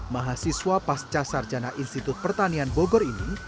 mahasiswa pasca sarjana institut pertanian bogor ini